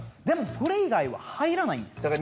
でもそれ以外は入らないんです。